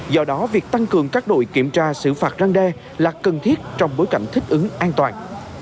do đó việc tăng cường các đội kiểm tra xử phạt răng đe là cần thiết trong bối cảnh thích ứng an toàn